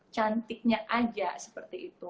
cantiknya aja seperti itu